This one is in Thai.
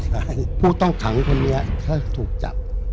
ใช่ผู้ต้องขังคนนี้ก็ถูกจับ